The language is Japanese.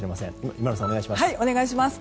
今村さん、お願いします。